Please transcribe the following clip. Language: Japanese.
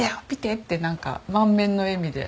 ってなんか満面の笑みで。